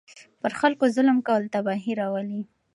پر خلکو ظلم کول تباهي راولي.